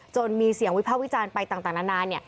มีเสียงวิพากษ์วิจารณ์ไปต่างนานา